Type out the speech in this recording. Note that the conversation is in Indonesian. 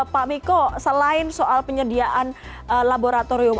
pak miko selain soal penyediaan laboratorium